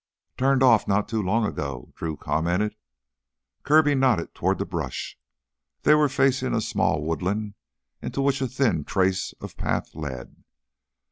"Turned off not too long ago," Drew commented. Kirby nodded toward the brush. They were facing a small woodland into which a thin trace of path led.